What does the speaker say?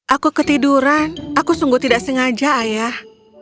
aku ketiduran aku sungguh tidak sengaja ayah